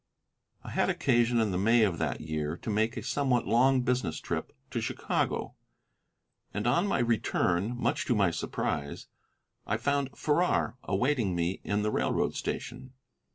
I had occasion, in the May of that year, to make a somewhat long business trip to Chicago, and on my return, much to my surprise, I found Farrar awaiting me in the railroad station.